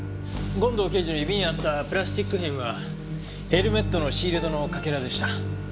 権藤刑事の指にあったプラスチック片はヘルメットのシールドのかけらでした。